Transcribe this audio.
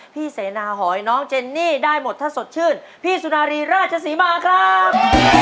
เสนาหอยน้องเจนนี่ได้หมดถ้าสดชื่นพี่สุนารีราชศรีมาครับ